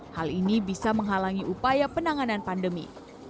hal ini bisa menghalangi upaya penanganan pandemi